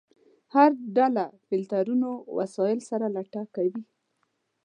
هر ډله فلټرونو وسایلو سره لټه کوي.